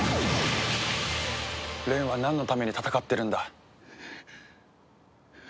蓮はなんのために戦ってるんだ？